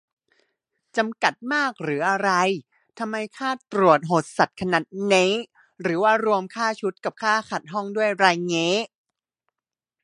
จำกัดมากหรืออะไร ทำไมค่าตรวจโหดสัสขนาดนี้ หรือว่ารวมค่าชุด กับค่าขัดห้องด้วยไรงี้